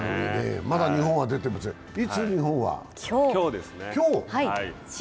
まだ日本は出てませんね、日本はいつ？